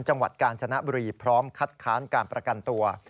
จังหวัดกาญจนบุรีพร้อมคัดค้านการประกันตัว